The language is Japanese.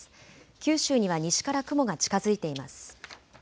九州には西から雲が近づいています。